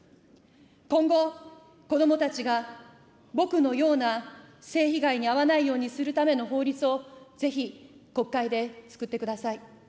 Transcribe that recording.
今後、子どもたちが僕のような性被害に遭わないようにするための法律をぜひ国会で作ってください。